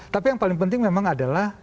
tapi yang paling penting memang adalah